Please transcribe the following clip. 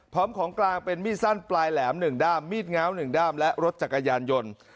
พร้อมของกลางเป็นมีดสั้นปลายแหลมหนึ่งด้ามมีดง้าวหนึ่งด้ามและรถจักรยานยนต์